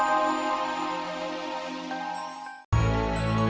saya satu gedung lihat kami